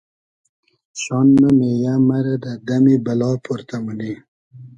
شان مۂ مېیۂ مرۂ دۂ دئمی بئلا پۉرتۂ مونی